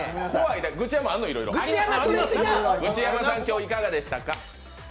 グチヤマさん、今日いかがでしたか？